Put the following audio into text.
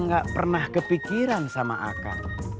gak pernah kepikiran sama aka